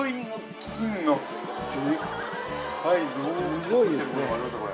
すごいですね。